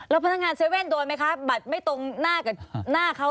แล้วพนักงาน๗๑๑โดนไหมคะบัตรไม่ตรงหน้าเขา